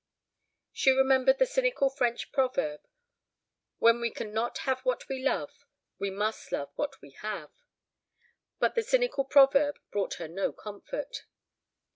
She remembered the cynical French proverb, "When we can not have what we love, we must love what we have." But the cynical proverb brought her no comfort.